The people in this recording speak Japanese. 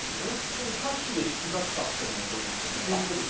でもキャッシュで引き出したというのは残りますよね。